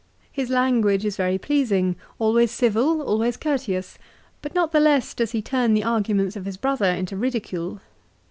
His language is very pleasing, always civil, always courteous ; but not the less does he turn the arguments of his brother into ridicule.